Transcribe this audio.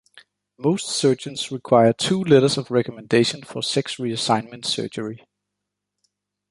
Most surgeons require two letters of recommendation for sex reassignment surgery.